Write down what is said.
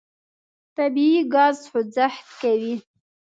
طبیعي ګاز خوځښت کوي.